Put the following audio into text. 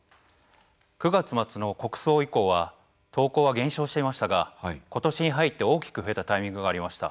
９月末の国葬以降は投稿が減少していましたが今年に入って大きく増えたタイミングがありました。